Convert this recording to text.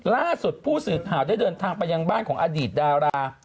ล่าสุดผู้สื่อข่าวได้เดินทางไปยังบ้านของอดีตดารา